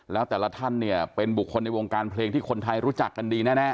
แล้วแต่ละท่านเนี่ยเป็นบุคคลในวงการเพลงที่คนไทยรู้จักกันดีแน่